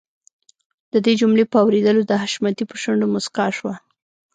د دې جملې په اورېدلو د حشمتي په شونډو مسکا شوه.